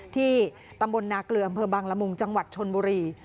ที่ตำบลนาเกลืออำเภอบังละมุงจังหวัดชนบุรี